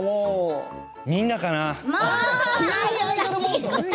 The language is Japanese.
みんなかな。